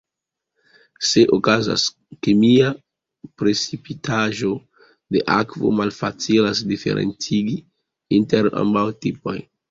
Se okazas kemia precipitaĵo de akvo malfacilas diferencigi inter ambaŭ tipoj.